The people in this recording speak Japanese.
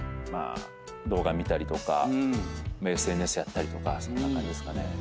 動画見たりとかＳＮＳやったりとかそんな感じですかね。